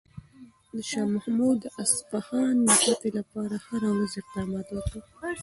شاه محمود د اصفهان د فتح لپاره هره ورځ اقدامات وکړل.